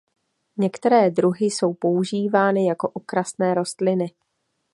Některé druhy jsou používány jako okrasné rostliny.